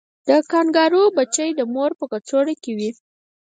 د کانګارو بچی د مور په کڅوړه کې وي